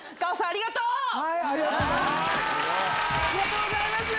ありがとうございます！